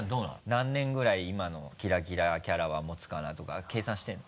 何年ぐらい今のキラキラキャラは持つかな？とか計算してるの？